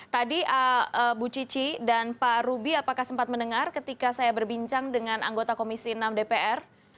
tadi bu cici dan pak ruby apakah sempat mendengar ketika saya berbincang dengan anggota komisi enam dpr